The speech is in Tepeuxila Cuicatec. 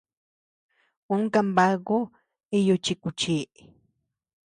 Uu kanbaku iyu chi kuchi.